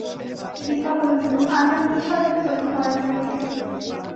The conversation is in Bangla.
দিপা বলল, আল্লা মেয়ে-শয়তান তৈরি করেন নাই কেন?